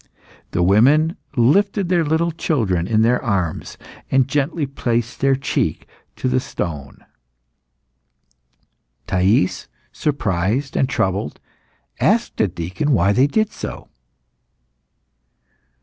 The women lifted their little children in their arms, and gently placed their cheek to the stone. Thais, surprised and troubled, asked a deacon why they did so.